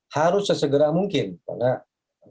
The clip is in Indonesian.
harus sesegera mungkin karena